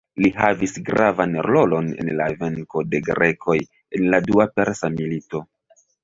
Li havis gravan rolon en la venko de grekoj en la dua persa milito.